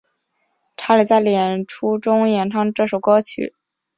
查理在演出中演唱这首歌曲。